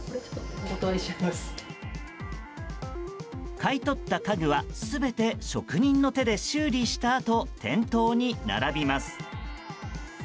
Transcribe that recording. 買い取った家具は全て職人の手で修理したあと店頭に並びます。